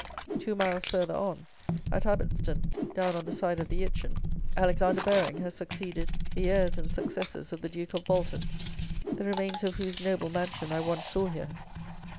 Two miles further on, at Abbotston (down on the side of the Itchen) Alexander Baring has succeeded the heirs and successors of the Duke of Bolton, the remains of whose noble mansion I once saw here.